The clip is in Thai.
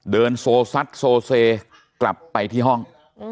เดินโซซัดโซเซกลับไปที่ห้อง